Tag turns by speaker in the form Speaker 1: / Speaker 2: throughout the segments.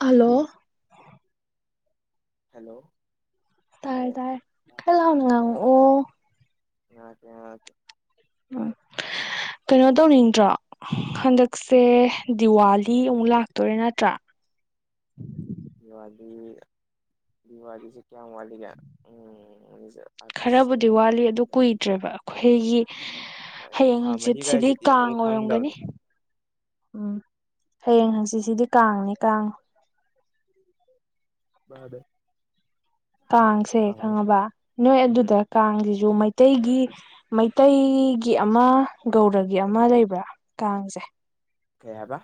Speaker 1: hello
Speaker 2: hello
Speaker 1: ꯇꯥꯔꯦ ꯇꯥꯔꯦ ꯈꯔ ꯂꯥꯎꯅ
Speaker 2: ꯑꯣ
Speaker 1: ꯉꯥꯡꯉꯛꯑꯣ
Speaker 2: [unintelligible]
Speaker 1: ꯎꯝ ꯀꯩꯅꯣ ꯇꯧꯅꯤꯡꯗ꯭ꯔꯣ ꯍꯟꯗꯛꯁꯦ ꯗꯤꯋꯥꯂꯤ ꯑꯃꯨꯛ ꯂꯥꯛꯇꯣꯔꯦ ꯅꯠꯇ꯭ꯔꯥ
Speaker 2: ꯗꯤꯋꯥꯂꯤ ꯗꯤꯋꯥꯂꯤꯁꯦ ꯀꯌꯥꯝ ꯋꯥꯠꯂꯤꯒꯦ ꯎꯝ ꯑꯥꯒꯁ
Speaker 1: ꯈꯔꯕꯨꯗꯤ
Speaker 2: ꯁꯦꯞꯇꯦꯝꯕꯔ
Speaker 1: ꯋꯥꯠꯂꯤ ꯑꯗꯨ
Speaker 2: ꯑꯣꯛꯇꯣꯕꯔ
Speaker 1: ꯀꯨꯏꯗ꯭ꯔꯦꯕ
Speaker 2: ꯅꯕꯦꯝꯕꯔ
Speaker 1: ꯑꯩꯈꯣꯏꯒꯤ
Speaker 2: ꯍꯣꯏ
Speaker 1: ꯍꯌꯦꯡ
Speaker 2: ꯊꯥ
Speaker 1: ꯍꯪꯆꯤꯠꯁꯤꯗꯤ
Speaker 2: ꯃꯔꯤꯒꯥꯏꯁꯤꯗꯤ ꯑꯗꯨꯝ
Speaker 1: ꯀꯥꯡ ꯑꯣꯏꯔꯝꯒꯅꯤ
Speaker 2: ꯈꯪꯗꯕꯅꯦ
Speaker 1: ꯎꯝ ꯍꯌꯦꯡ ꯍꯪꯆꯤꯠꯁꯤꯗꯤ ꯀꯥꯡꯅꯤ ꯀꯥꯡ
Speaker 2: [unintelligible]
Speaker 1: ꯀꯥꯡꯁꯦ
Speaker 2: ꯀꯥꯡ
Speaker 1: ꯈꯪꯉꯕ ꯅꯣꯏ
Speaker 2: ꯎꯝ
Speaker 1: ꯑꯗꯨꯗ ꯀꯥꯡꯁꯤꯁꯨ ꯃꯩꯇꯩꯒꯤ ꯃꯩꯇꯩꯒꯤ ꯑꯃ ꯒꯧꯔꯒꯤ ꯑꯃ ꯂꯩꯕ꯭ꯔꯥ ꯀꯥꯡꯁꯦ
Speaker 2: ꯀꯩ ꯍꯥꯏꯕ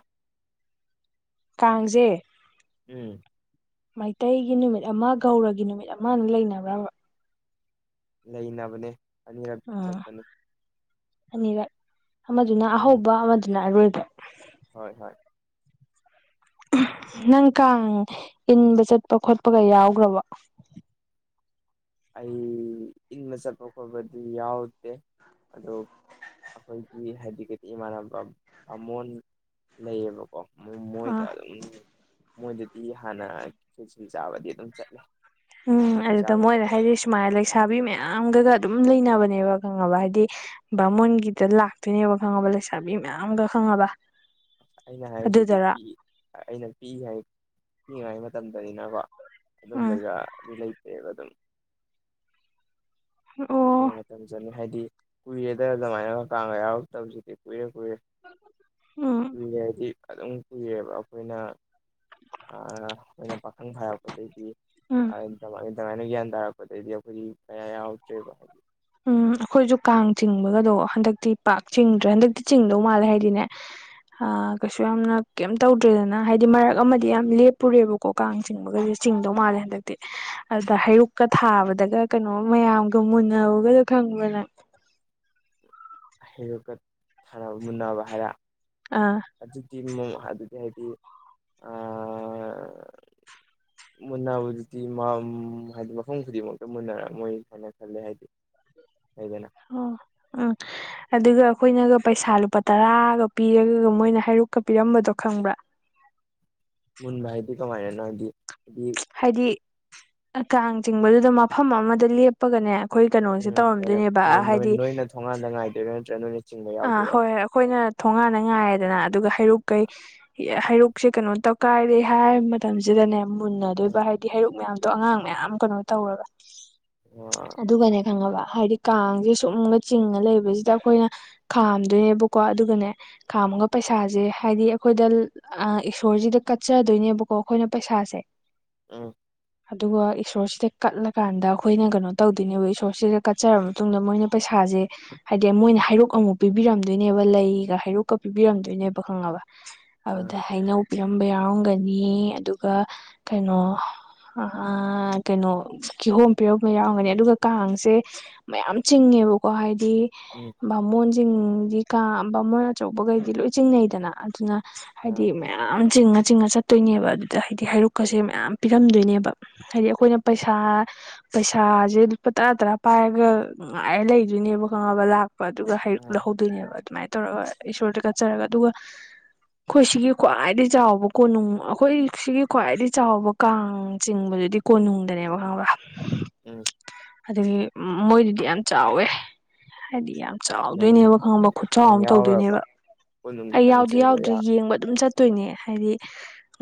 Speaker 1: ꯀꯥꯡꯖꯦ
Speaker 2: ꯎꯝ
Speaker 1: ꯃꯩꯇꯩꯒꯤ ꯅꯨꯃꯤꯠ ꯑꯃ ꯒꯧꯔꯒꯤ ꯅꯨꯃꯤꯠ ꯑꯃꯅ ꯂꯩꯅꯕ꯭ꯔꯕ
Speaker 2: ꯂꯩꯅꯕꯅꯦ ꯑꯅꯤꯔꯛ
Speaker 1: ꯎꯝ
Speaker 2: ꯆꯠꯄꯅꯦ
Speaker 1: ꯑꯅꯤꯔꯛ ꯑꯃꯗꯨꯅ
Speaker 2: ꯎꯝ
Speaker 1: ꯑꯍꯧꯕ ꯑꯃꯗꯨꯅ ꯑꯔꯣꯏꯕ
Speaker 2: ꯍꯣꯏ ꯍꯣꯏ
Speaker 1: ꯅꯪ ꯀꯥꯡ ꯏꯟꯕ ꯆꯠꯄ ꯈꯣꯠꯄꯒ ꯌꯥꯎꯈ꯭ꯔꯕ
Speaker 2: ꯑꯩ ꯏꯪꯕ ꯆꯠꯄ ꯈꯣꯠꯄꯗꯤ ꯌꯥꯎꯗꯦ ꯑꯗꯣ ꯑꯩꯈꯣꯏꯒꯤ ꯍꯥꯏꯗꯤꯗꯤ ꯏꯃꯥꯟꯅꯕ ꯃꯃꯣꯟ ꯂꯩꯌꯦꯕꯀꯣ ꯃꯣꯏꯗ
Speaker 1: ꯑꯥ
Speaker 2: ꯑꯗꯨꯝ ꯃꯣꯏꯗꯗꯤ ꯍꯥꯟꯅ ꯈꯦꯆꯤ ꯆꯥꯕꯗꯤ ꯑꯗꯨꯝ ꯆꯠꯂꯦ
Speaker 1: ꯎꯝ
Speaker 2: ꯈꯦꯆ꯭ꯔꯤ
Speaker 1: ꯑꯗꯨꯗ
Speaker 2: ꯆꯥꯕ
Speaker 1: ꯃꯣꯏꯅ
Speaker 2: ꯆꯠꯂꯦ
Speaker 1: ꯍꯥꯏꯗꯤ ꯁꯨꯃꯥꯏꯅ ꯂꯩꯁꯥꯕꯤ ꯃꯌꯥꯝꯒꯒ ꯑꯗꯨꯝ ꯂꯩꯅꯕꯅꯦꯕ ꯈꯪꯉꯕ ꯍꯥꯏꯗꯤ ꯕꯥꯃꯣꯟꯒꯤꯗ ꯂꯥꯛꯇꯣꯏꯅꯦꯕ ꯈꯪꯉꯕ ꯂꯩꯁꯥꯕꯤ ꯃꯌꯥꯝꯒ ꯈꯪꯉꯕ
Speaker 2: ꯑ ꯑꯩꯅ ꯍꯥꯏꯔꯤꯁꯤꯗꯤ
Speaker 1: ꯑꯗꯨꯗꯔ
Speaker 2: ꯄꯤꯛꯢ ꯑꯩꯅ ꯄꯤꯛꯉꯥꯏ ꯄꯤꯛꯉꯥꯏ ꯃꯇꯝꯗꯅꯤꯅꯀꯣ
Speaker 1: ꯎꯝ
Speaker 2: ꯑꯗꯨꯝꯕꯩꯒꯗꯤ ꯂꯩꯇ꯭ꯔꯦꯕ ꯑꯗꯨꯝ
Speaker 1: ꯑꯣ
Speaker 2: ꯉꯥꯏꯇꯝ ꯆꯠꯅꯤ ꯍꯥꯏꯗꯤ ꯀꯨꯏꯔꯦꯗ ꯑꯗꯨꯃꯥꯏꯅꯒ ꯀꯥꯡꯒ ꯌꯥꯎꯔꯛꯇꯕꯁꯤꯗꯤ ꯀꯨꯏꯔꯦ ꯀꯨꯏꯔꯦ
Speaker 1: ꯎꯝ
Speaker 2: ꯀꯨꯏꯔꯦ ꯍꯥꯏꯗꯤ ꯑꯗꯨꯝ ꯀꯨꯏꯌꯦꯕ ꯑꯩꯈꯣꯏꯅ ꯑꯩꯈꯣꯏꯅ ꯄꯥꯈꯪ ꯐꯥꯔꯛꯄꯗꯩꯗꯤ
Speaker 1: ꯎꯝ
Speaker 2: ꯑꯗꯨꯃꯥꯏꯅ ꯒ꯭ꯌꯥꯟ ꯇꯥꯔꯛꯄꯗꯩꯗꯤ ꯑꯩꯈꯣꯏꯗꯤ ꯀꯌꯥ ꯌꯥꯎ [unintelligible]
Speaker 1: ꯎꯝ ꯑꯩꯈꯣꯏꯁꯨ ꯀꯥꯡ ꯆꯤꯡꯕꯒꯗꯣ ꯍꯟꯗꯛꯇꯤ ꯄꯥꯛ ꯆꯤꯡꯗ꯭ꯔꯦ ꯍꯟꯗꯛꯇꯤ ꯆꯤꯡꯗꯧ ꯃꯥꯜꯂꯦ ꯍꯥꯏꯗꯤꯅꯦ ꯀꯩꯁꯨ ꯌꯥꯝꯅ ꯀꯩꯝ ꯇꯧꯗ꯭ꯔꯦꯗꯅ ꯍꯥꯏꯗꯤ ꯃꯔꯛ ꯑꯃꯗꯤ
Speaker 2: ꯎꯝ
Speaker 1: ꯌꯥꯝ ꯂꯦꯞꯄꯨꯔꯦꯕꯀꯣ ꯀꯣ ꯀꯥꯡ ꯆꯤꯡꯕꯒꯁꯦ ꯆꯤꯡꯗꯧ ꯃꯥꯜꯂꯦ ꯍꯟꯗꯛꯇꯤ ꯑꯗ ꯍꯩꯔꯨꯛꯀ ꯊꯥꯕꯗꯒ ꯀꯩꯅꯣ ꯃꯌꯥꯝꯒ ꯃꯨꯟꯅꯧꯒꯁꯨ ꯈꯪꯕ꯭ꯔ ꯅꯪ
Speaker 2: ꯍꯩꯔꯨꯀꯠ ꯁꯥꯟꯅꯕ ꯃꯨꯟꯅꯕ ꯍꯥꯏꯔ
Speaker 1: ꯑꯥ
Speaker 2: ꯑꯗꯨꯗꯤ ꯑꯃꯨꯛ ꯑꯗꯨꯗꯤ ꯍꯥꯏꯗꯤ
Speaker 1: [unintelligible]
Speaker 2: ꯃꯨꯟꯅꯕꯖꯗꯨꯗꯤ ꯍꯥꯏꯗꯤ ꯃꯐꯝ ꯈꯨꯗꯤꯡꯃꯛꯇ ꯃꯨꯟꯅꯔꯝꯃꯣꯏ ꯍꯥꯏꯅ ꯈꯜꯂꯦ ꯍꯥꯏꯗꯤ ꯂꯩꯗꯅ
Speaker 1: ꯑꯣ ꯎꯝ ꯑꯗꯨꯒ ꯑꯩꯈꯣꯏꯅꯒ ꯄꯩꯁꯥ ꯂꯨꯄꯥ ꯇꯔꯥꯒ ꯄꯤꯔꯒ ꯃꯣꯏꯅ ꯍꯥꯏꯔꯨꯛꯀ ꯄꯤꯔꯝꯕꯗꯣ ꯈꯪꯕ꯭ꯔꯥ
Speaker 2: ꯃꯨꯟꯕ ꯍꯥꯏꯗꯤ ꯀꯃꯥꯏꯅꯅꯣ ꯍꯥꯏꯗꯤ ꯍꯥꯏꯗꯤ
Speaker 1: ꯍꯥꯏꯗꯤ ꯀꯥꯡ ꯆꯤꯡꯕꯗꯨꯗ ꯃꯐꯝ ꯑꯃꯗ ꯂꯦꯞ ꯄꯒꯅꯦ ꯑꯩꯈꯣꯏ ꯀꯩꯅꯣꯁꯦ ꯇꯧꯔꯝꯗꯣꯏꯅꯦꯕ ꯍꯥꯏꯗꯤ
Speaker 2: ꯊꯣꯡꯉꯥꯟꯗ ꯉꯥꯏꯗꯣꯢꯔ ꯅꯠꯇ꯭ꯔ ꯅꯣꯢ
Speaker 1: ꯑꯥ ꯍꯣꯏ ꯍꯣꯏ ꯑꯩꯈꯣꯏꯅ ꯊꯣꯡꯉꯥꯟꯅ ꯉꯥꯏꯔꯦꯗꯅ ꯑꯗꯨꯒ ꯍꯩꯔꯨꯛ ꯀꯩ ꯍꯩꯔꯨꯛ ꯁꯦ ꯀꯩꯅꯣ ꯇꯧ ꯀꯥꯏꯔꯦ ꯍꯥꯏꯕ ꯃꯇꯝꯁꯤꯗꯅꯦ
Speaker 2: ꯎꯝ
Speaker 1: ꯃꯨꯟꯅꯗꯣꯏꯕ ꯍꯥꯏ ꯍꯩꯔꯨꯛ ꯃꯌꯥꯝꯗꯣ ꯑꯉꯥꯡ ꯃꯌꯥꯝ ꯀꯩꯅꯣ ꯇꯧꯔꯒ
Speaker 2: ꯎꯝ
Speaker 1: ꯑꯗꯨꯒꯅꯦ ꯈꯪꯉꯕ ꯍꯥꯏꯗꯤ ꯀꯥꯡꯁꯦ ꯁꯨꯝꯒ ꯆꯤꯡꯉ ꯂꯩꯕꯁꯤꯗ ꯑꯩꯈꯣꯏꯅ ꯈꯥꯝꯗꯣꯏꯅꯦꯕꯀꯣ ꯑꯗꯨꯒꯅꯦ ꯈꯥꯝꯃꯒ ꯄꯩꯁꯥꯁꯦ ꯍꯥꯏꯗꯤ ꯑꯩꯈꯣꯏꯗ ꯑ ꯏꯁꯣꯔꯖꯤꯗ ꯀꯠꯆꯗꯣꯏꯅꯦꯕꯀꯣ ꯑꯩꯈꯣꯏꯅ ꯄꯩꯁꯥꯁꯦ
Speaker 2: ꯑ
Speaker 1: ꯍ ꯑꯗꯨꯒ ꯏꯁꯣꯔꯁꯤꯗ ꯀꯠꯂꯀꯥꯟꯗ ꯑꯩꯈꯣꯏꯅ ꯀꯩꯅꯣ ꯇꯧꯗꯣꯏꯅꯦꯕ ꯏꯁꯣꯔꯁꯤꯗ ꯀꯠꯆꯔꯕ ꯃꯇꯨꯡꯗ ꯃꯣꯏꯅ ꯄꯩꯁꯥꯁꯦ ꯍꯥꯏꯗꯤ ꯃꯣꯏꯅ ꯍꯥꯏꯔꯣꯛ ꯑꯃꯨꯛ ꯄꯤꯕꯤꯔꯝꯗꯣꯏꯅꯦꯕ ꯂꯩꯒ ꯍꯩꯔꯨꯛꯀ ꯄꯤꯕꯤꯔꯝꯗꯣꯏꯅꯦꯕ ꯈꯪꯉꯕ ꯑꯗꯨꯗ ꯍꯩꯅꯧ ꯔꯝꯕ ꯌꯥꯎꯔꯝꯒꯅꯤ ꯑꯗꯨꯒ ꯀꯩꯅꯣ ꯑ ꯀꯩꯅꯣ ꯀꯤꯍꯣꯝ ꯄꯤꯔꯝꯕ ꯌꯥꯎꯔꯝꯒꯅꯤ ꯑꯗꯨꯒ ꯀꯥꯡꯁꯦ ꯃꯌꯥꯝ ꯆꯤꯡꯉꯦꯕꯀꯣ ꯍꯥꯏꯗꯤ
Speaker 2: ꯎꯝ
Speaker 1: ꯕꯥꯃꯣꯟꯁꯤꯡꯗꯤ ꯀꯥ ꯕꯥꯃꯣꯟ ꯑꯆꯧꯕꯈꯩꯗꯤ ꯂꯣꯏ ꯆꯤꯡꯅꯩꯗꯅ ꯑꯗꯨꯅ ꯍꯥꯏꯗꯤ
Speaker 2: ꯑꯥ
Speaker 1: ꯃꯌꯥꯝ ꯆꯤꯡꯉ ꯆꯤꯡꯉ ꯆꯠꯇꯣꯏꯅꯦꯕ ꯑꯗꯨꯗ ꯍꯥꯏꯗꯤ ꯍꯩꯔꯨꯛꯀꯁꯦ ꯃꯌꯥꯝ ꯄꯤꯔꯝꯗꯣꯏꯅꯦꯕ ꯍꯥꯏꯗꯤ ꯑꯩꯈꯣꯏꯅ ꯄꯩꯁꯥ ꯄꯩꯁꯥꯁꯦ ꯂꯨꯄꯥ ꯇꯔꯥ ꯇꯔꯥ ꯄꯥꯏꯔꯒ ꯉꯥꯏ ꯂꯩꯗꯣꯏꯅꯦꯕ ꯈꯪꯉꯅꯕ ꯂꯥꯛꯄ ꯑꯗꯨꯒ
Speaker 2: ꯑꯥ
Speaker 1: ꯂꯧꯍꯧꯗꯨꯏꯅꯦꯕ ꯑꯗꯨꯃꯥꯏꯅ ꯇꯧꯔꯒ ꯏꯁꯣꯔꯗ ꯀꯠꯆꯔꯒ ꯑꯗꯨꯒ ꯑꯩꯈꯣꯏ ꯁꯤꯒꯤ ꯈ꯭ꯋꯥꯏꯗꯩ ꯆꯥꯎꯕ ꯀꯣꯅꯨꯡ ꯑꯩꯈꯣꯏ ꯁꯤꯒꯤ ꯈ꯭ꯋꯥꯏꯗꯒꯤ ꯆꯥꯎꯕ ꯀꯥꯡ ꯆꯤꯡꯕꯗꯨꯗꯤ ꯀꯣꯅꯨꯡꯗꯅꯦꯕ ꯈꯪꯉꯕ
Speaker 2: ꯎꯝ
Speaker 1: ꯑꯗꯨꯒꯤ ꯃꯣꯏꯗꯨꯗꯤ ꯌꯥꯝ ꯆꯥꯎꯋꯦ ꯍꯥꯏꯗꯤ ꯌꯥꯝ ꯆꯥꯎꯋꯦ
Speaker 2: ꯅꯪ
Speaker 1: ꯇꯧꯗꯣꯏꯅꯦꯕ ꯈꯪꯉꯕ ꯈꯨꯆꯥꯎ
Speaker 2: ꯅꯪ
Speaker 1: ꯑꯝ
Speaker 2: ꯌꯥꯎꯔꯕ
Speaker 1: ꯇꯧꯗꯣꯏꯅꯦꯕ
Speaker 2: ꯀꯣꯟ ꯅꯨꯡꯒꯤ
Speaker 1: ꯑꯩ
Speaker 2: ꯀꯥꯡ
Speaker 1: ꯌꯥꯎꯗꯤ
Speaker 2: ꯆꯤꯡꯕꯗ
Speaker 1: ꯌꯥꯎꯗ꯭ꯔꯤ
Speaker 2: ꯌꯥ
Speaker 1: ꯌꯦꯡꯕ ꯑꯗꯨꯝ ꯆꯠ ꯇꯣꯏꯅꯦ ꯍꯥꯏꯗꯤ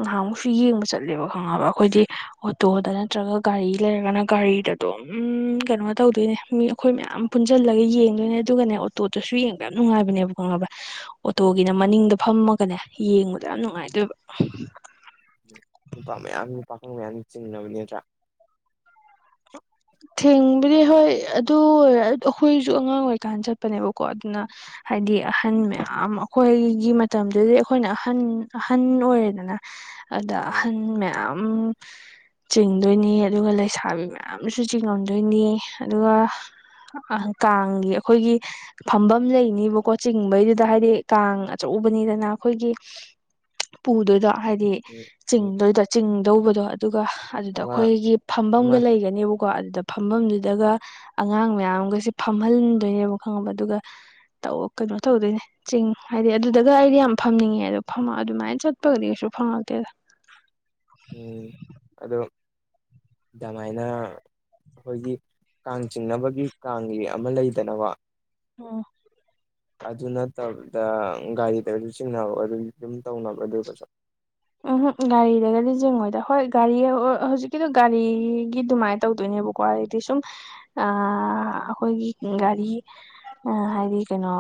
Speaker 1: ꯉꯍꯥꯃꯨꯛꯁꯨ ꯌꯦꯡꯕ ꯆꯠꯂꯦꯕ ꯈꯪꯉꯕ ꯑꯩꯈꯣꯏꯗꯤ ꯑꯣꯇꯣꯗ ꯅꯠꯇ꯭ꯔꯒ ꯒꯥꯔꯤ ꯂꯩꯔꯒꯅ ꯒꯥꯔꯤꯗ ꯑꯗꯨꯝ ꯀꯩꯅꯣ ꯇꯧꯗꯣꯏꯅꯦ ꯃꯤ ꯑꯩꯈꯣꯏ ꯃꯌꯥꯝ ꯄꯨꯟꯖꯜꯂꯒ ꯌꯦꯡꯗꯣꯏꯅꯦ ꯑꯗꯨꯒꯅꯦ ꯇꯣꯇꯁꯨ ꯌꯦꯡꯕ ꯌꯥꯝ ꯅꯨꯡꯉꯥꯏꯕꯅꯦꯕ ꯈꯪꯉꯕ ꯑꯣꯇꯣꯒꯤꯅ ꯃꯅꯤꯡꯗ ꯐꯝꯃꯒꯅꯦ ꯌꯦꯡꯕꯗ ꯌꯥꯝ ꯅꯨꯡꯉꯥꯏꯗꯣꯏꯕ
Speaker 2: ꯅꯨꯄꯥ ꯃꯌꯥꯝ ꯄꯥꯈꯪ ꯃꯌꯥꯝ ꯆꯤꯡꯅꯕꯅꯤ ꯅꯠꯇ꯭ꯔꯥ
Speaker 1: ꯊꯦꯡꯕꯗꯤ ꯍꯣꯏ ꯑꯗꯨ ꯑꯩꯈꯣꯏꯁꯨ ꯑꯉꯥꯡ ꯑꯣꯏꯔꯤꯀꯥꯟꯗ ꯆꯠꯄꯅꯦꯕꯀꯣ ꯑꯗꯨꯅ ꯍꯥꯏꯗꯤ ꯑꯍꯟ ꯃꯌꯥꯝ ꯑꯩꯈꯣꯏꯒꯤ ꯃꯇꯝꯗꯨꯗꯤ ꯑꯩꯈꯣꯏꯅ ꯑꯍꯟ ꯑꯍꯟ ꯑꯣꯏꯔꯦꯗꯅ ꯑꯗ
Speaker 2: ꯎꯝ
Speaker 1: ꯑꯍꯟ ꯃꯌꯥꯝ ꯆꯤꯡꯗꯣꯏꯅꯤ ꯑꯗꯨꯒ ꯂꯩꯁꯥꯕꯤ ꯃꯌꯥꯝ ꯁꯨꯆꯤꯡ ꯉꯝꯗꯣꯏꯅꯤ ꯑꯗꯨꯒ ꯀꯥꯡꯒꯤ ꯑꯩꯈꯣꯏꯒꯤ ꯐꯝꯕꯝ ꯂꯩꯅ‌ꯦꯕꯀꯣ ꯆꯤꯡꯕꯩꯗꯨꯗ ꯍꯥꯏꯗꯤ ꯀꯥꯡ ꯑꯆꯧꯕꯅꯤꯗꯅ ꯑꯩꯈꯣꯏꯒꯤ ꯄꯨꯗꯨꯗꯣ ꯍꯥꯏꯗꯤ
Speaker 2: ꯎꯝ ꯎꯝ
Speaker 1: ꯆꯤꯡꯗꯣꯏꯗꯣ ꯆꯤꯡꯗꯧꯕꯗꯣ ꯑꯗꯨꯒ ꯑꯗꯨꯗ
Speaker 2: ꯑꯃ
Speaker 1: ꯑꯩꯈꯣꯏꯒꯤ
Speaker 2: ꯑꯃ
Speaker 1: ꯐꯝꯕꯝꯒ ꯂꯩꯒꯅꯦꯕ ꯀꯣ ꯑꯗꯨꯗ ꯐꯝꯐꯝꯗꯨꯗꯒ ꯑꯉꯥꯡ ꯃꯌꯥꯝꯒꯁꯦ ꯐꯝꯍꯟꯗꯣꯏꯅꯦꯕ ꯈꯪꯉꯕ ꯑꯗꯨꯒ ꯇꯧꯑꯣ ꯀꯩꯅꯣ ꯇꯧꯗꯣꯏꯅꯦ ꯆꯤꯡ ꯍꯥꯏꯗꯤ ꯑꯗꯨꯗꯒ ꯑꯩꯗꯤ ꯌꯥꯝ ꯐꯝꯅꯤꯡꯉꯦ ꯑꯗꯣ ꯐꯝ ꯑꯗꯨꯃꯥꯏꯅ ꯆꯠꯄꯒꯗꯤ ꯀꯩꯁꯨ ꯐꯪꯉꯛꯇꯦꯗ
Speaker 2: ꯎꯝ ꯑꯗꯣ ꯑꯗꯨꯃꯥꯏꯅ ꯑꯩꯈꯣꯏꯒꯤ ꯀꯥꯡ ꯆꯤꯡꯅꯕꯒꯤ ꯀꯥꯡꯒꯤ ꯑꯃ ꯂꯩꯗꯅꯕ
Speaker 1: ꯑꯣ
Speaker 2: ꯑꯗꯨ ꯅꯠꯇꯕꯗ ꯒꯥꯔꯤꯗꯁꯨ ꯆꯤꯡꯅꯕ ꯑꯗꯨ ꯑꯗꯨꯝ ꯇꯧꯅꯕ ꯑꯗꯨꯕꯁꯨ
Speaker 1: ꯎꯝꯍꯨꯛ ꯒꯥꯔꯤꯗꯒꯗꯤ ꯆꯤꯡꯉꯣꯏꯗ ꯍꯣꯏ ꯒꯥꯔꯤ ꯍꯧꯖꯤꯛꯀꯤꯗꯣ ꯒꯥꯔꯤꯒꯤ ꯑꯗꯨꯃꯥꯏ ꯇꯧꯗꯣꯏꯅꯦꯕ ꯋꯥꯏꯗꯤ ꯁꯨꯝ ꯑ ꯑꯩꯈꯣꯏꯒꯤ ꯒꯥꯔꯤ ꯑ ꯍꯥꯏꯗꯤ ꯀꯩꯅꯣ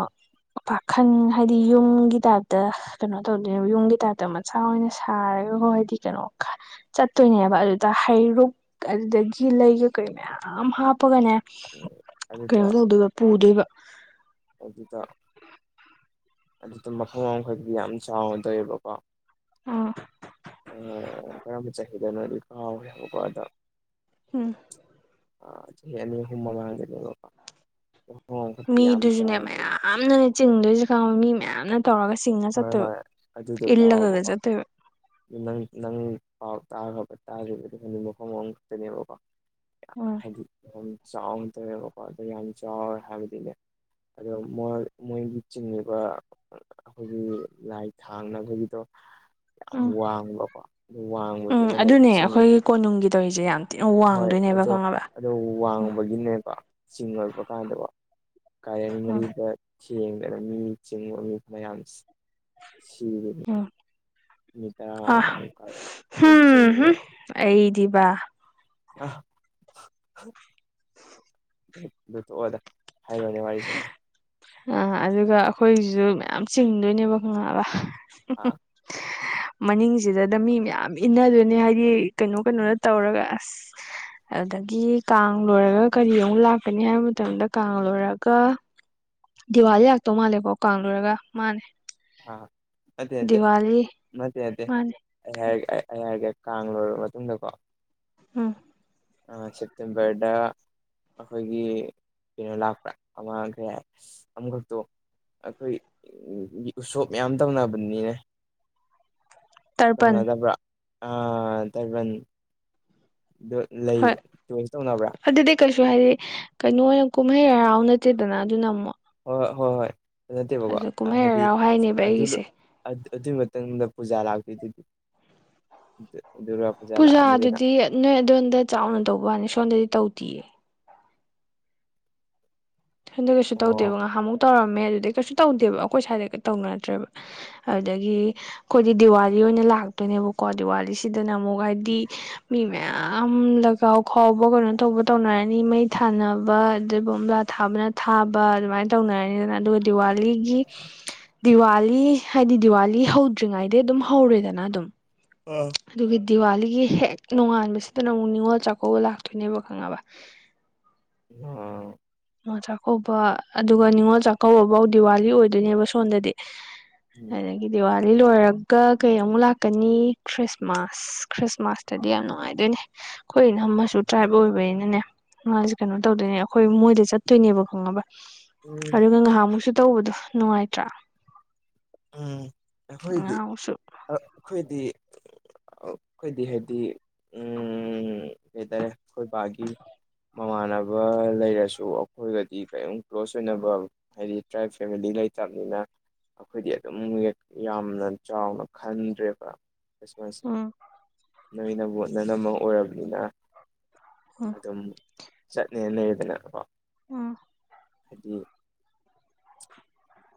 Speaker 1: ꯄꯥꯈꯟ ꯍꯥꯏꯗꯤ ꯌꯨꯝꯒꯤ ꯇꯥꯏꯞꯇ ꯀꯩꯅꯣ ꯇꯧꯗꯣꯏꯅ ꯌꯨꯝꯒꯤ ꯇꯥꯏꯞꯇ ꯃꯆꯥ ꯑꯣꯏꯅ ꯁꯥꯔꯒꯀꯣ ꯍꯥꯏꯗꯤ ꯀꯩꯅꯣ ꯆꯠꯇꯣꯏꯅꯦꯕ ꯑꯗꯨꯗ ꯍꯩꯔꯨꯛ ꯑꯗꯨꯗꯒꯤ ꯂꯩ ꯀꯩꯀꯩ ꯃꯌꯥꯝ ꯍꯥꯞꯄꯒꯅꯦ
Speaker 2: ꯑꯗꯨꯗ
Speaker 1: ꯀꯩꯅꯣ ꯇꯧꯗꯣꯏꯕ ꯄꯨꯗꯣꯏꯕ
Speaker 2: ꯑꯗꯨꯗ ꯑꯗꯨꯗ ꯃꯐꯝ ꯑꯃꯈꯗꯤ ꯌꯥꯝ ꯆꯥꯎꯅꯇꯧꯋꯦꯕꯀꯣ
Speaker 1: ꯑꯥ
Speaker 2: ꯑ ꯀꯔꯝꯕ ꯆꯍꯤꯗꯅꯣꯗꯤ ꯀꯥꯎꯔ‌ꯦꯕꯀꯣ ꯑꯗ
Speaker 1: ꯎꯝ
Speaker 2: ꯑ ꯍꯨꯃ ꯃꯒ [unintelligible]
Speaker 1: ꯃꯤꯗꯨꯁꯨꯅꯦ ꯃꯌꯥꯝꯅꯅꯦ ꯆꯤꯡꯗꯨꯁꯨ ꯈꯪꯉꯤ ꯃꯤ ꯃꯌꯥꯝꯅ ꯇꯧꯔꯒ ꯆꯤꯡꯉ
Speaker 2: ꯍꯣꯏ ꯍꯣꯏ
Speaker 1: ꯆꯠꯇ‌ꯣꯏꯕ
Speaker 2: ꯑꯗꯨꯗꯣ
Speaker 1: ꯏꯜꯂꯒꯒ
Speaker 2: ꯇꯥꯎꯑꯣꯕꯀꯣ
Speaker 1: ꯆꯠꯇ‌ꯣꯏꯕ
Speaker 2: ꯅꯪ ꯅꯪ ꯄꯥꯎ ꯇꯥꯈ꯭ꯔꯕ ꯇꯥꯔꯤꯕꯗ ꯃꯐꯝ ꯃꯐꯝ ꯈꯛꯇꯅꯦꯕꯀꯣ
Speaker 1: ꯎꯝ
Speaker 2: ꯍꯥꯏꯗꯤ ꯌꯥꯝ ꯆꯥꯎꯅ ꯇꯧꯋꯦꯕꯀꯣ ꯑꯗ ꯌꯥꯝ ꯆꯥꯎꯔꯦ ꯍꯥꯏꯕꯗꯤꯅꯦ ꯑꯗꯣ ꯃꯣꯏꯒꯤ ꯆꯤꯡꯉꯕ ꯑꯩꯈꯣꯏꯒꯤ ꯂꯥꯏ ꯊꯥꯡꯅꯕꯒꯤꯗꯣ ꯌꯥꯝ
Speaker 1: ꯎꯝ
Speaker 2: ꯋꯥꯡꯕꯀꯣ
Speaker 1: ꯎꯝ
Speaker 2: ꯋꯥꯡꯕꯗꯨꯅꯅꯦ
Speaker 1: ꯑꯗꯨꯅꯦ
Speaker 2: ꯆꯤꯡ
Speaker 1: ꯑꯩꯈꯣꯏꯒꯤ ꯀꯣꯅꯨꯡꯒꯤ ꯇꯧꯔꯤꯁꯦ ꯌꯥꯝ ꯋꯥꯡꯗꯣꯏꯅꯦꯕ ꯈꯪꯉꯕ
Speaker 2: ꯑꯗꯨ
Speaker 1: ꯎꯝ
Speaker 2: ꯋꯥꯡꯕꯒꯤꯅꯦꯕ ꯆꯤꯡꯉꯛꯄ ꯀꯥꯟꯗꯀꯣ ꯀꯥꯔꯦꯟ
Speaker 1: ꯎꯝ
Speaker 2: ꯃꯔꯤꯗ ꯆꯦꯡꯗꯅ ꯃꯤ ꯆꯤꯡꯕ ꯃꯤ ꯃꯌꯥꯝ ꯁꯤ
Speaker 1: ꯎꯝ
Speaker 2: ꯃꯤꯇꯔ ꯑꯃ
Speaker 1: ꯑ
Speaker 2: ꯋꯥꯡ ꯀꯥꯗꯩ ꯂꯩ ꯆꯤꯡ
Speaker 1: ꯑꯩꯗꯤꯕ
Speaker 2: ꯑ ꯑꯗꯨ ꯊꯣꯛꯣꯛꯑꯣꯗ ꯍꯥꯏꯕꯅꯦ ꯋꯥꯔꯤꯁꯦ
Speaker 1: ꯑ ꯑꯗꯨꯒ ꯑꯩꯈꯣꯏꯒꯤꯁꯨ ꯃꯌꯥꯝ ꯆꯤꯡꯗꯣꯏꯅꯦꯕ ꯈꯪꯉꯕ
Speaker 2: ꯑꯥ
Speaker 1: ꯍꯥ [inaudible] ꯃꯅꯤꯡꯁꯤꯗꯗ ꯃꯤ ꯃꯌꯥꯝ ꯏꯟꯅꯗꯣꯏꯅꯤ ꯍꯥꯏꯗꯤ ꯀꯩꯅꯣ ꯀꯩꯅꯣꯗ ꯇꯧꯔꯒ ꯑꯁ ꯑꯗꯨꯗꯒꯤ ꯀꯥꯡ ꯂꯣꯏꯔꯒ ꯀꯔꯤ ꯑꯃꯨꯛ ꯂꯥꯛꯀꯅꯤ ꯍꯥꯏꯕ ꯃꯇꯝꯗ ꯀꯥꯡ ꯂꯣꯏꯔꯒ ꯗꯤꯋꯥꯂꯤ ꯂꯥꯛꯛꯇꯧ ꯃꯥꯜꯂꯦꯀꯣ ꯀꯥꯡꯨꯔꯒ ꯃꯥꯜꯂꯦ
Speaker 2: ꯑꯥ ꯑꯗ ꯑꯗꯦ ꯃꯗꯦ ꯑꯗꯦ
Speaker 1: ꯃꯥꯅꯦ
Speaker 2: ꯑꯩ
Speaker 1: ꯀꯩ
Speaker 2: ꯍꯥꯏꯔꯦ ꯑꯩ ꯑꯩ ꯍꯥꯏꯔꯒꯦ ꯀꯥꯡ ꯂꯣꯏꯔꯕ ꯃꯇꯨꯡꯗ ꯀꯣ
Speaker 1: ꯎꯝ
Speaker 2: ꯑ ꯆꯦꯠꯇ ꯄꯦꯗ ꯑꯩꯈꯣꯏꯒꯤ ꯀꯩꯅꯣ ꯂꯥꯛꯄ꯭ꯔꯥ ꯑꯃꯈꯦ ꯑꯃꯈꯛꯇꯣ ꯑꯩꯈꯣꯏ ꯎꯁꯣꯞ ꯃꯌꯥꯝ ꯇꯧꯅꯕꯅꯤꯅꯦ
Speaker 1: ꯇꯔꯄꯟ
Speaker 2: ꯇꯧꯅꯗꯕꯥ ꯇꯥꯏꯕꯜ ꯑꯗꯨ
Speaker 1: ꯍꯣꯏ
Speaker 2: ꯂꯩꯕ ꯆꯣꯏꯁ ꯇꯧꯅꯕ꯭ꯔꯥ
Speaker 1: ꯑꯗꯨꯗꯤ ꯀꯩꯁꯨ ꯍꯥꯏꯗꯤ ꯀꯩꯅꯣ ꯑꯣꯏꯅ ꯀꯨꯝꯍꯩ ꯍꯔꯥꯎ ꯅꯠꯇꯦꯗꯅ ꯑꯗꯨꯅ ꯑꯃꯨꯛ
Speaker 2: ꯍꯣꯏ ꯍꯣꯏ ꯍꯣꯏ ꯍꯣꯏ ꯑꯗꯨ ꯅꯠꯇꯦꯕꯀꯣ
Speaker 1: ꯀꯨꯝꯍꯩ
Speaker 2: ꯍꯥꯏꯗꯤ
Speaker 1: ꯍꯔꯥꯎ ꯍꯥꯏꯅꯦꯕ
Speaker 2: ꯑꯗꯨ
Speaker 1: ꯑꯩꯒꯤꯁꯦ
Speaker 2: ꯑꯗꯨꯒꯤ ꯃꯇꯨꯡꯗ ꯄꯨꯖꯥ ꯂꯥꯛꯈꯤ ꯑꯗꯨꯗꯤ ꯑꯗꯨꯒ
Speaker 1: ꯄꯨꯖꯥꯗꯨꯗꯤ ꯅꯣꯏ ꯑꯗꯣꯣꯟꯝꯗ ꯆꯥꯎꯅ ꯇꯧꯕ ꯋꯥꯅꯤ ꯁꯣꯝꯗꯗꯤ ꯇꯧꯗꯤꯌꯦ ꯁꯣꯝꯗ ꯀꯩꯁꯨ
Speaker 2: ꯑꯣ
Speaker 1: ꯇꯧꯗꯦꯕ ꯉꯥꯏꯍꯥꯛꯃꯨꯛ ꯇꯧꯔꯝꯃꯦ ꯑꯗꯨꯗꯩ ꯀꯩꯁꯨ ꯇꯧꯗꯦꯕ ꯑꯩꯈꯣꯏ ꯁ꯭ꯏꯗꯒ ꯇꯧꯅ ꯅꯠꯇ꯭ꯔꯦꯕ ꯑꯗꯨꯗꯒꯤ ꯑꯩꯈꯣꯏꯗꯤ ꯗꯤꯋꯥꯂꯤ ꯑꯣꯏꯅ ꯂꯥꯛꯇꯣꯏꯅꯦꯕꯀꯣ ꯗꯤꯋꯥꯂꯤꯁꯤꯗꯅ ꯑꯃꯨꯛ ꯍꯥꯏꯗꯤ ꯃꯤ ꯃꯌꯥꯝ ꯂꯒꯥꯎ ꯈꯥꯎꯕ ꯀꯩꯅꯣ ꯇꯧꯕ ꯇꯧꯅꯔꯅꯤ ꯃꯩ ꯊꯥꯅꯕ ꯑꯗꯨꯒ ꯊꯥꯕꯅ ꯊꯥꯕ ꯑꯗꯨꯃꯥꯏꯅ ꯇꯧꯅꯔꯅꯤꯗꯅ ꯑꯗꯨꯒ ꯗꯤꯋꯥꯂꯤꯒꯤ ꯗꯤꯋꯥꯂꯤ ꯍꯥꯏꯗꯤ ꯗꯤꯋꯥꯂꯤ ꯍꯧꯗ꯭ꯔꯤꯉꯩꯗꯩ ꯑꯗꯨꯝ ꯍꯧꯔꯦꯗꯅ ꯑꯗꯨꯝ
Speaker 2: ꯎꯝ
Speaker 1: ꯑꯗꯨꯒꯒꯤ ꯗꯤꯋꯥꯂꯤꯒꯤ ꯍꯦꯛ ꯅꯣꯡꯉꯥꯟꯕꯁꯤꯗꯅ ꯑꯃꯨꯛ ꯅꯤꯡꯅꯤꯉꯣꯜ ꯆꯥꯛꯀꯧꯕ ꯂꯥꯛꯇꯣꯏꯅꯦꯕ ꯈꯪꯉꯕ
Speaker 2: ꯑ
Speaker 1: ꯅꯤꯉꯣꯜ ꯆꯥꯛꯀꯧꯕ ꯑꯗꯨꯒ ꯅꯤꯉꯣꯜ ꯆꯥꯛꯀꯧꯕꯐꯧ ꯗꯤꯋꯥꯂꯤ ꯑꯣꯏꯗꯣꯏꯅꯦꯕ ꯁꯣꯝꯗꯗꯤ
Speaker 2: ꯎꯝ
Speaker 1: ꯑꯗꯒꯤ ꯗꯤꯋꯥꯂꯤ ꯂꯣꯏꯔꯒ ꯀꯩ ꯑꯃꯨꯛ ꯂꯥꯛꯀꯅꯤ ꯈ꯭ꯔꯤꯁꯃꯥꯁ ꯑꯁ ꯈ꯭ꯔꯤꯁꯃꯥꯁꯇꯗꯤ ꯌꯥꯝ ꯅꯨꯡꯉꯥꯏꯗꯣꯏꯅꯦ ꯈꯣꯏ ꯏꯅꯝꯃꯁꯨ ꯇ꯭ꯔꯥꯏꯕ ꯑꯣꯏꯕꯅꯤꯅꯅꯦ ꯃꯥꯁꯦ ꯀꯩꯅꯣ ꯇꯧꯗꯣꯏꯅꯦ ꯑꯩꯈꯣꯏ ꯃꯣꯏꯗ ꯆꯠꯇꯣꯏꯅꯦꯕ ꯈꯪꯉꯕ ꯑꯗꯨꯒ ꯉꯍꯥꯟꯃꯨꯛꯁꯨ ꯇꯧꯕꯗꯣ ꯅꯨꯡꯉꯥꯏꯇ꯭ꯔꯥ
Speaker 2: ꯎꯝ ꯑꯩꯈꯣꯏꯗꯤ
Speaker 1: ꯉꯥꯏꯍꯥꯛꯃꯨꯛꯁꯨ
Speaker 2: ꯑ-ꯑꯩꯈꯣꯏꯗꯤ ꯑꯩꯈꯣꯏꯗꯤ ꯍꯥꯏꯕꯗꯤ ꯎꯝ ꯀꯩꯇꯥꯔꯦ ꯈꯣꯏꯕꯥꯒꯤ ꯃꯃꯥꯟꯅꯕ ꯂꯩꯔꯁꯨ ꯑꯩꯈꯣꯏꯒꯗꯤ ꯀꯔꯤꯝ ꯀ꯭ꯂꯣꯁ ꯑꯣꯏꯅꯕ ꯍꯥꯏꯗꯤ ꯇ꯭ꯔꯥꯏꯞ ꯐꯦꯃꯤꯂꯤ ꯂꯩꯇꯕꯅꯤꯅ ꯑꯩꯈꯣꯏꯗꯤ ꯑꯗꯨꯝ ꯌꯥꯝꯅ ꯆꯥꯎꯅ ꯈꯟꯗ꯭ꯔꯦꯕ ꯈ꯭ꯔꯤꯁꯃꯥꯁ
Speaker 1: ꯎꯝ
Speaker 2: ꯁꯤ ꯅꯣꯏꯅꯕꯣ ꯅꯅꯝꯃ ꯑꯣꯏꯔꯕꯅꯤꯅ
Speaker 1: ꯎꯝ
Speaker 2: ꯑꯗꯨꯝ ꯆꯠꯅꯤꯅ ꯂꯩꯔꯦꯗꯅ ꯀꯣ
Speaker 1: ꯎꯝ
Speaker 2: ꯍꯥꯏꯗꯤ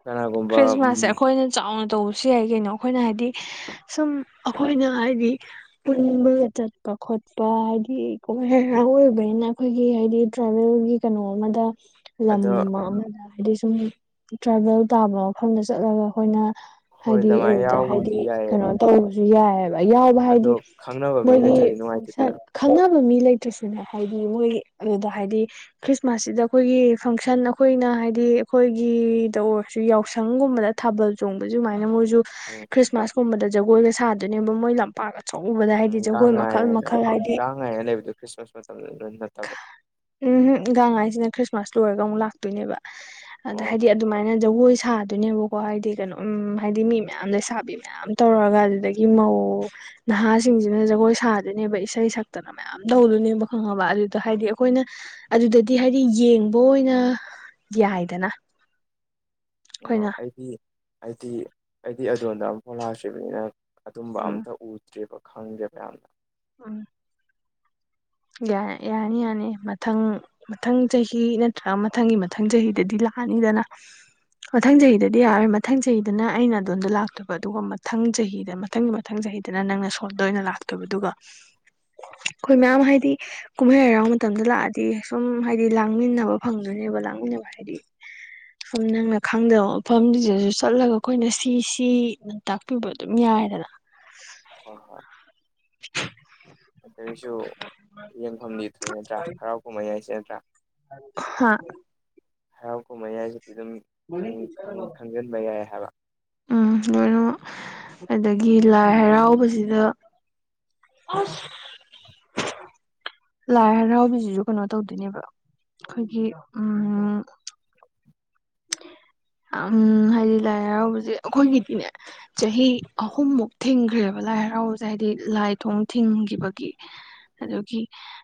Speaker 2: ꯀꯅꯥꯒꯨꯝꯕ
Speaker 1: ꯃꯥꯥꯁꯦ ꯑꯩꯈꯣꯏꯅ ꯆꯥꯎꯅ ꯇꯧꯕꯁꯨ ꯌꯥꯏ ꯀꯩꯅꯣ ꯑꯩꯈꯣꯏꯅ ꯍꯥꯏꯗꯤ ꯁꯨꯝ ꯑꯈꯣꯏꯅ ꯍꯥꯏꯗꯤ ꯄꯨꯟꯕꯒ ꯆꯠꯄ ꯈꯣꯠꯄ ꯍꯥꯏꯗꯤ ꯀꯨꯝꯍꯩ ꯍꯔꯥꯎ ꯑꯣꯏꯕꯅꯤꯅ ꯑꯩꯈꯣꯏꯒꯤ ꯍꯥꯏꯗꯤ ꯇ꯭ꯔꯥꯏꯕꯦꯜꯒꯤ ꯀꯩꯅꯣ ꯑꯃꯗ ꯂꯝ
Speaker 2: ꯑꯗꯣ
Speaker 1: ꯑꯃꯗ ꯍꯥꯏꯗꯤ ꯁꯨꯝ ꯇ꯭ꯔꯥꯏꯚꯦꯜ ꯇꯥꯕ ꯃꯐꯝꯗ ꯆꯠꯂꯒ ꯑꯩꯈꯣꯏꯅ
Speaker 2: ꯍꯣꯏ
Speaker 1: ꯍꯥꯏꯗꯤ
Speaker 2: ꯑꯗꯨꯃꯥꯏꯅ
Speaker 1: ꯑꯗꯨꯗ ꯍꯥꯏꯗꯤ
Speaker 2: ꯌꯥꯎꯕꯕꯨꯗꯤ ꯌꯥꯏꯌꯦ
Speaker 1: ꯀꯩꯅꯣ ꯇꯧꯕꯁꯨ ꯌꯥꯏ ꯌꯥꯎꯕ
Speaker 2: ꯑꯗꯣ
Speaker 1: ꯍꯥꯏꯗꯤ
Speaker 2: ꯈꯪꯅꯕ ꯃꯤ
Speaker 1: ꯃꯣꯏꯒꯤ
Speaker 2: ꯂꯩꯇ꯭ꯔꯗꯤ
Speaker 1: ꯐꯪꯁꯟ
Speaker 2: ꯅꯨꯡꯉꯥꯏꯇꯦꯗꯅ
Speaker 1: ꯈꯪꯅꯕ ꯃꯤ ꯂꯩꯇ꯭ꯔꯁꯨꯅꯦ ꯍꯥꯏꯗꯤ ꯃꯣꯏ ꯑꯗꯨꯗ ꯍꯥꯏꯗꯤ ꯈ꯭ꯔꯤꯁꯃꯥꯁꯁꯤꯗ ꯑꯩꯈꯣꯏꯒꯤ ꯐꯪꯁꯟ ꯑꯩꯈꯣꯏꯅ ꯍꯥꯏꯗꯤ ꯑꯩꯈꯣꯏꯒꯤꯗ ꯑꯣꯏ ꯁꯤ ꯌꯥꯎꯁꯪꯒꯨꯝꯕꯗ ꯊꯥꯕꯜ ꯆꯣꯡꯕꯁꯤ ꯁꯨꯃꯥꯏꯅ ꯃꯣꯏꯖꯨ
Speaker 2: ꯎꯝ
Speaker 1: ꯈ꯭ꯔꯤꯁꯃꯥꯁ ꯁꯨꯝꯕꯗ ꯖꯒꯣꯏꯒ ꯁꯥꯗꯣꯏꯅꯦꯕ ꯃꯣꯏ ꯂꯝꯄꯥꯛ ꯑꯆꯧꯕꯗ ꯍꯥꯏꯗꯤ ꯖꯒꯣꯏ ꯃꯈꯜ ꯃꯈꯜ ꯍꯥꯏꯗꯤ
Speaker 2: ꯅꯣꯏ ꯑꯥ ꯂꯩꯕꯗꯣ ꯈ꯭ꯔꯤꯁꯃꯥꯁ ꯃꯇꯝꯗꯗ ꯅꯠꯇꯕ
Speaker 1: ꯎꯝꯍꯨꯡ ꯒꯥꯡꯉꯥꯏꯖꯤꯅ ꯈ꯭ꯔꯤꯁꯃꯥꯁ ꯂꯣꯏꯔꯒ ꯑꯃꯨꯛ ꯂꯥꯛꯇꯣꯏꯅꯦꯕ ꯑꯗ
Speaker 2: ꯑꯣ
Speaker 1: ꯍꯥꯏꯗꯤ ꯑꯗ ꯑꯗꯨꯃꯥꯏꯅ ꯖꯒꯣꯏ ꯁꯥꯗꯣꯏꯅꯦꯕꯀꯣ ꯍꯥꯏꯗꯤ ꯀꯩꯅꯣ ꯎꯝ ꯍꯥꯏꯗꯤ ꯃꯤ ꯃꯌꯥꯝ ꯂꯩꯁꯥꯕꯤ ꯃꯌꯥꯝ ꯃꯌꯥꯝ ꯇꯧꯔꯒ ꯑꯗꯨꯗꯒꯤ ꯃꯧ ꯅꯍꯥꯁꯤꯡꯁꯤꯅ ꯖꯒꯣꯏ ꯁꯥꯗꯣꯏꯅꯦꯕ ꯏꯁꯩ ꯁꯛꯇꯅ ꯃꯥ ꯌꯥꯝ ꯇꯧꯗꯨꯏꯅꯦꯕ ꯈꯪꯉꯕ ꯑꯗꯨꯏ ꯑꯗꯣ ꯍꯥꯏꯗꯤ ꯑꯩꯈꯣꯏꯅ ꯑꯗꯨꯗꯗꯤ ꯍꯥꯏꯗꯤ ꯌꯦꯡꯕ ꯑꯣꯏꯅ ꯌꯥꯏꯗꯅ [inaudible]
Speaker 2: ꯑꯣ ꯑꯩꯗꯤ ꯑꯩꯗꯤ ꯑꯩꯗꯤ ꯑꯗꯣꯟꯗ ꯑꯃꯨꯛꯐꯥꯎ ꯂꯥꯛꯇ꯭ꯔꯤꯕꯅꯤꯅ ꯑꯗꯨꯝꯕ
Speaker 1: ꯎꯝ
Speaker 2: ꯑꯝꯇ ꯎꯗ꯭ꯔꯦꯕ ꯈꯪꯗꯦ ꯃꯌꯥꯝꯅ
Speaker 1: ꯎꯝ ꯌꯥ ꯌꯥꯅꯤ ꯌꯥꯅꯤ ꯃꯊꯪ ꯃꯊꯪ ꯆꯍꯤ ꯅꯠꯇ꯭ꯔꯒ ꯃꯊꯪꯒꯤ ꯃꯊꯪ ꯆꯍꯤꯗꯗꯤ ꯂꯥꯛꯑꯅꯤꯗꯅ ꯃꯊꯪ
Speaker 2: ꯎꯝ
Speaker 1: ꯆꯍꯤꯗ ꯗꯤ ꯌꯥꯔꯣꯏ ꯃꯊꯪ ꯆꯍꯤꯗꯅ ꯑꯩꯅ ꯑꯗꯣꯟꯗ ꯂꯥꯛꯇꯣꯏꯕ ꯑꯗꯨꯒ ꯃꯊꯪ ꯆꯍꯤꯗ ꯃꯊꯪꯒꯤ ꯃꯊꯪ ꯆꯍꯤꯗ ꯇꯨꯅ ꯅꯪꯅ ꯁꯣꯝꯗ ꯑꯣꯏꯅ ꯂꯥꯛꯇꯣꯏꯕ ꯑꯗꯨꯒ ꯑꯩꯈꯣꯏ
Speaker 2: ꯎꯝ
Speaker 1: ꯃꯌꯥꯝ ꯍꯥꯏ ꯗꯤ ꯀꯨꯝꯍꯩ ꯍꯔꯥꯎ ꯃꯇꯝꯗ ꯂꯥꯛꯑꯗꯤ ꯁꯨꯝ ꯍꯥꯏꯗꯤ ꯂꯥꯡꯃꯤꯟꯅꯕ ꯐꯪꯗꯣꯏꯅꯦꯕ ꯂꯥꯡꯃꯤꯟꯅꯕ ꯍꯥꯏꯗꯤ ꯁꯨꯝ ꯅꯪꯅ ꯈꯪꯗꯕ ꯃꯐꯝꯖꯤꯗꯁꯨ ꯆꯠꯂꯒ ꯑꯈꯣꯏꯅ ꯁꯤ ꯁꯤ ꯇꯥꯛꯄꯤꯕ ꯑꯗꯨꯝ ꯌꯥꯏꯗꯅ
Speaker 2: ꯍꯣꯏ ꯍꯣꯏ
Speaker 1: [inaudible]
Speaker 2: ꯑꯗꯨꯏꯁꯨ ꯌꯦꯡꯐꯝꯗꯤ ꯊꯣꯛꯏ ꯅꯠꯇ꯭ꯔ ꯍꯔꯥꯎ ꯀꯨꯝꯍꯩ ꯍꯥꯏꯁꯤ ꯅꯠꯇ꯭ꯔ
Speaker 1: ꯍꯥ
Speaker 2: ꯍꯔꯥꯎ ꯀꯨꯝꯍꯩ ꯍꯥꯏꯁꯤꯗꯤ ꯑꯗꯨꯝ ꯈꯪ ꯈꯪ ꯈꯪꯖꯤꯟꯕ ꯌꯥꯏ ꯍꯥꯏꯕ
Speaker 1: ꯎꯝ ꯂꯣꯏꯅꯃꯛ ꯑꯗꯒꯤ ꯂꯥꯏ ꯍꯔꯥꯎꯕꯖꯤꯗ ꯑꯁ ꯂꯥꯏ ꯍꯔꯥꯎꯕꯁꯤꯁꯨ ꯀꯩꯅꯣ ꯇꯧꯗꯣꯏꯅꯦꯕ ꯑꯩꯈꯣꯏꯒꯤ ꯎꯝ ꯎꯝ ꯍꯥꯏꯗꯤ ꯂꯥꯏ ꯍꯔꯥꯎꯕꯖꯦ ꯑꯈꯣꯏꯒꯤꯗꯤꯅꯦ ꯆꯍꯤ
Speaker 2: ꯎꯝ
Speaker 1: ꯑꯍꯨꯝꯃꯨꯛ ꯊꯤꯡꯈ꯭ꯔꯦꯕ ꯂꯥꯏ ꯍꯔꯥꯎꯕꯁꯦ ꯍꯥꯏꯗꯤ ꯂꯥꯏ ꯊꯣꯡ ꯊꯤꯡꯈꯤꯕꯒꯤ
Speaker 2: ꯎꯝ
Speaker 1: ꯑꯗꯨꯒꯤ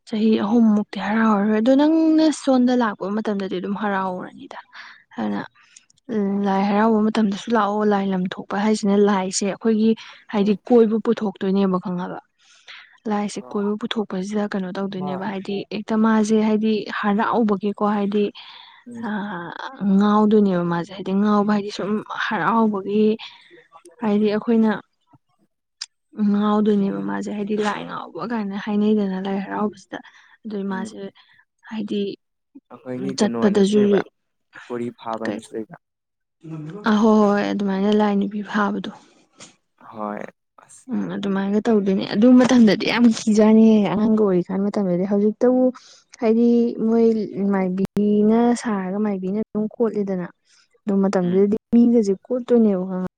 Speaker 1: ꯆꯍꯤ ꯑꯍꯨꯝꯃꯨꯛꯇꯤ ꯍꯔꯥꯎꯔꯔꯣꯏ ꯑꯗꯣ ꯅꯪꯅ ꯁꯣꯟꯗ ꯂꯥꯛꯄ ꯃꯇꯝꯗꯗꯤ ꯑꯗꯨꯝ ꯍꯔꯥꯎꯔꯅꯤ ꯏꯗꯥ ꯍꯥꯏꯅ ꯎꯝ ꯂꯥꯏ ꯍꯔꯥꯎꯕ ꯃꯇꯝꯗꯁꯨ ꯂꯥꯛꯑꯣ ꯂꯥꯏ ꯂꯝꯊꯣꯛꯄ ꯍꯥꯏꯁꯤꯅ ꯂꯥꯏꯁꯦ ꯑꯩꯈꯣꯏꯒꯤ ꯍꯥꯏꯗꯤ
Speaker 2: ꯎꯝ
Speaker 1: ꯀꯣꯏꯕ ꯄꯨꯊꯣꯛꯇꯣꯏꯅꯦꯕ ꯈꯪꯉꯕ ꯂꯥꯏꯁꯤ ꯀꯣꯏꯕ ꯄꯨꯊꯣꯛꯄꯁꯤꯗ ꯀꯩꯅꯣ
Speaker 2: ꯑꯃ
Speaker 1: ꯇꯧꯗꯣꯏꯅꯦꯕ ꯍꯥꯏꯗꯤ ꯍꯦꯛꯇ ꯃꯥꯖꯦ ꯍꯥꯏꯗꯤ ꯍꯔꯥꯎꯕꯒꯤꯀꯣ ꯍꯥꯏꯗꯤ
Speaker 2: ꯎꯝ
Speaker 1: ꯑꯥ ꯉꯥꯎꯗꯣꯏꯅꯦꯕ ꯃꯥꯁꯦ ꯍꯥꯏꯗꯤ ꯉꯥꯎꯕ ꯍꯥꯏꯗꯤ ꯁꯨꯝ ꯍꯔꯥꯎꯕꯒꯤ ꯍꯥꯏꯗꯤ ꯑꯩꯈꯣꯏꯅ ꯎꯝ ꯉꯥꯎꯗꯣꯏꯅꯦꯕ ꯃꯥꯖꯦ ꯍꯥꯏꯗꯤ ꯂꯥꯏ ꯉꯥꯎꯕ ꯒꯥꯏꯅ ꯍꯥꯏꯅꯩꯗꯅ ꯂꯥꯏ ꯍꯔꯥꯎꯕꯖꯤꯗ ꯑꯗꯨꯏ
Speaker 2: ꯎꯝ
Speaker 1: ꯃꯥꯁꯦ ꯍꯥꯏꯗꯤ ꯎꯝ
Speaker 2: ꯑꯩꯈꯣꯏꯒꯤ ꯀꯩꯅꯣ ꯍꯥꯏꯅꯁꯨ
Speaker 1: ꯆꯠꯄꯗꯁꯨ
Speaker 2: ꯂꯩꯕ꯭ꯔꯥ ꯀꯣꯔꯤ ꯐꯥꯕ ꯍꯥꯏꯅꯁꯨ ꯂꯩꯕ꯭ꯔꯥ
Speaker 1: ꯑꯍꯣꯏ ꯍꯣꯏ ꯑꯗꯨꯃꯥꯏꯅ ꯂꯥꯏ ꯅꯨꯄꯤ ꯐꯥꯕꯗꯣ
Speaker 2: ꯍꯣꯏ ꯑꯁ
Speaker 1: ꯎꯝ ꯑꯗꯨꯃꯥꯏꯅ ꯇꯧꯗꯣꯏꯅꯦ ꯑꯗꯨ ꯃꯇꯝꯗꯗꯤ ꯌꯥꯝ ꯀꯤꯖꯥꯅꯤꯍꯦ ꯑꯉꯥꯡꯒ ꯑꯣꯏꯔꯤꯀꯥꯟ ꯃꯇꯝꯗꯗꯤ ꯍꯧꯖꯤꯛꯇꯕꯨ ꯍꯥꯏꯗꯤ ꯃꯣꯏ ꯃꯥꯏꯕꯤꯅ ꯁꯥꯔꯒ ꯃꯥꯏꯕꯤꯅ ꯑꯗꯨꯝ ꯈꯣꯠꯂꯤꯗꯅ ꯑꯗꯨ
Speaker 2: ꯎꯝ
Speaker 1: ꯃꯇꯝꯗꯨꯗꯗꯤ ꯃꯤꯒꯁꯦ ꯀꯣꯠꯇꯣꯏꯅꯦꯕ ꯈꯪꯉꯕ